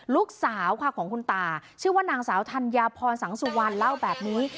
ลูกสาวค่ะของคุณตาชื่อว่านางสาวธัญญาพรสังสุวรรณเล่าแบบนี้